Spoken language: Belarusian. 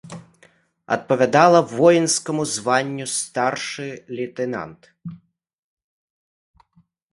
Адпавядала воінскаму званню старшы лейтэнант.